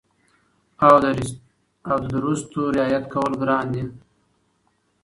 او د درستو رعایت کول ګران دي